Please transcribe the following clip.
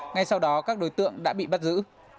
ngay sau đó các đối tượng đã bị bắt giữ